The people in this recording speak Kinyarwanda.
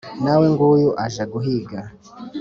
na we nguyu aje guhiga.